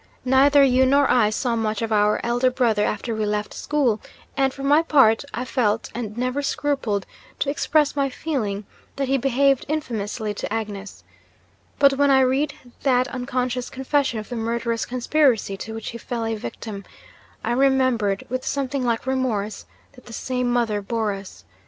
Neither you nor I saw much of our elder brother after we left school; and, for my part, I felt, and never scrupled to express my feeling, that he behaved infamously to Agnes. But when I read that unconscious confession of the murderous conspiracy to which he fell a victim, I remembered, with something like remorse, that the same mother bore us.